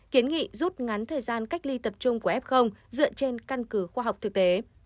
kiến nghị rút ngắn thời gian cách ly tập trung của f dựa trên căn cứ khoa học thực tế